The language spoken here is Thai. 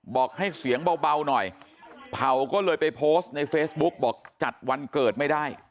บอกให้เสียงเบาหน่อยเผ่าก็เลยไปโพสต์ในเฟซบุ๊กบอกจัดวันเกิดไม่ได้